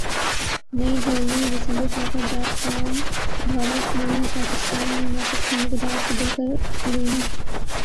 نئی دہلی دسمبر Siasat dot com Bharat نے پاکستان میں میچز کھیلنے کی دعوت قبول کر لی ہے